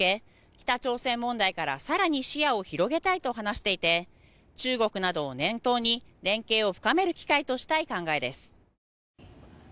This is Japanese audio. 北朝鮮問題から更に視野を広げたいと話していて中国などを念頭に連携を深める機会としたい考えです。